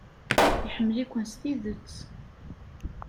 Iḥemmel-iken s tidet.